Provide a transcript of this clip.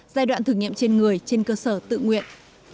giai đoạn thử nghiệm trên người trên cơ sở tự nguyện